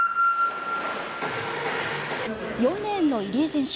４レーンの入江選手。